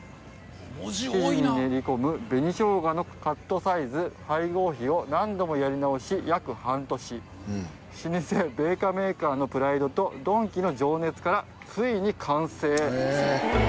生地に練り込む紅生姜のカットサイズ、配合比を何度もやり直し約半年老舗米菓メーカーのプライドとドンキの情熱から遂に完成」